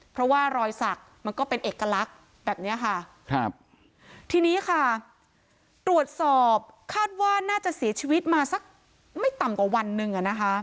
เพราะว่ารอยสักมันก็เป็นเอกลักษณ์แบบเนี้ยค่ะครับทีนี้ค่ะตรวจสอบคาดว่าน่าจะเสียชีวิตมาสักไม่ต่ำกว่าวันหนึ่งอ่ะนะคะ